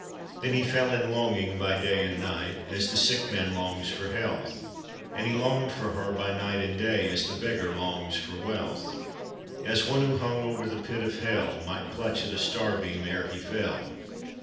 Then be fell in longing by day and night As the sick man longs for health; And he longed for her by night and day As the beggar longs for wealth, As one who hung over the pit of hell Might clutch at a star beam ere he fell.